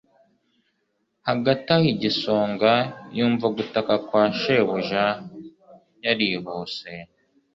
hagati aho igisonga, yumva gutaka kwa shebuja, yarihuse